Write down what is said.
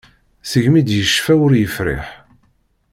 Segmi d-yecfa ur yefriḥ.